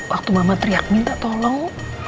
waktu mama teriak minta tolong